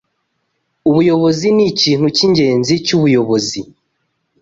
Ubuyobozi nikintu cyingenzi cyubuyobozi